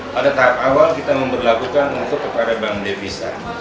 pada tahap awal kita memperlakukan untuk kepada bank devisa